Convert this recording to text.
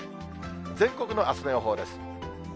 全国のあすの予報です。